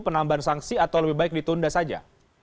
penambahan sanksi atau lebih baik ditunda saja